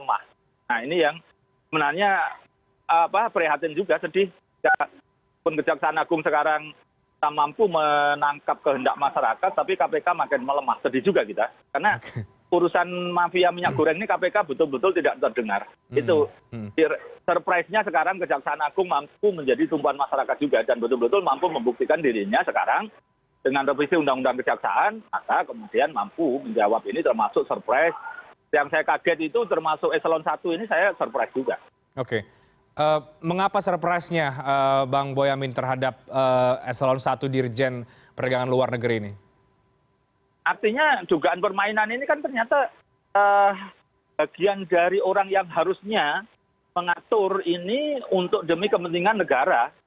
artinya dugaan permainan ini kan ternyata bagian dari orang yang harusnya mengatur ini untuk demi kepentingan negara